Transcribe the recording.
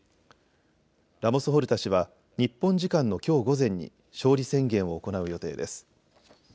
ラモス・ホルタ氏は日本時間のきょう午前に勝利宣言を行う予定です。